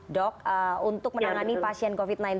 dok untuk menangani pasien covid sembilan belas